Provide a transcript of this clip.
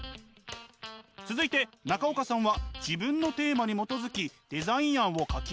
続いて中岡さんは自分のテーマに基づきデザイン案を描きます。